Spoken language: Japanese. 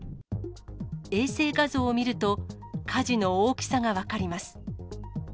衛星画像を見ると、火事の大きさが分かります。